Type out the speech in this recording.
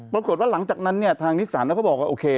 ปรากฏว่าหลังจากนั้นเนี่ยทางนิสันเขาบอกว่าโอเค